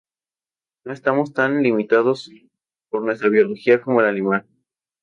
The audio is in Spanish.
No estamos tan limitados por nuestra biología como el animal.